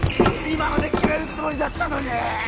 今ので決めるつもりだったのに！